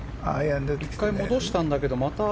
１回戻したんだけど。